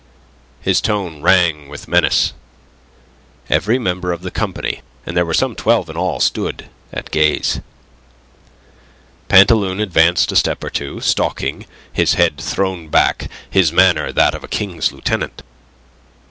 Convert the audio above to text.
His tone rang with menace. Every member of the company and there were some twelve in all stood at gaze. Pantaloon advanced a step or two, stalking, his head thrown back, his manner that of a King's Lieutenant.